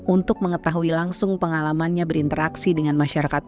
untuk mengetahui langsung pengalamannya berinteraksi dengan masyarakat